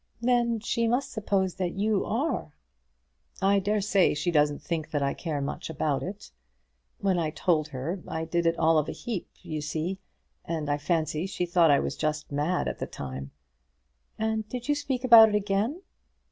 "Then she must suppose that you are." "I dare say she doesn't think that I care much about it. When I told her, I did it all of a heap, you see; and I fancy she thought I was just mad at the time." "And did you speak about it again?"